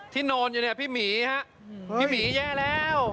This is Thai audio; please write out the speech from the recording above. นอนอยู่เนี่ยพี่หมีฮะพี่หมีแย่แล้ว